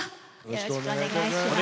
よろしくお願いします。